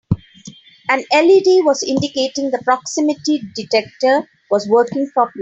An LED was indicating the proximity detector was working properly.